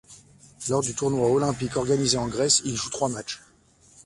Lors du tournoi olympique organisé en Grèce, il joue trois matchs.